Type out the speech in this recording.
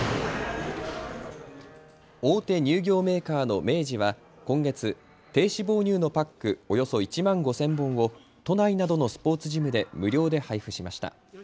大手乳業メーカーの明治は今月、低脂肪乳のパックおよそ１万５０００本を都内などのスポーツジムで無料で配布しました。